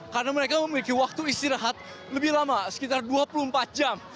karena mereka memiliki waktu istirahat lebih lama sekitar dua puluh empat jam